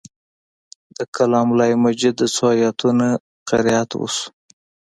د کلام الله مجید د څو آیتونو قرائت وشو.